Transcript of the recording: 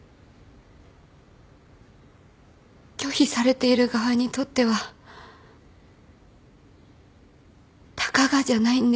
拒否されている側にとってはたかがじゃないんです。